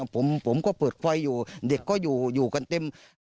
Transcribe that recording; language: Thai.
ผมก็เปิดไฟอยู่เด็กก็อยู่กันเต็ม